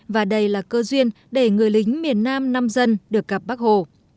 và đây là cơ duyên để người lính miền nam nam dân được gặp bác hồ